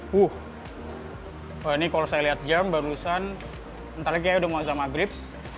wah ini kalau saya lihat jam barusan nanti saya sudah mau azam maghrib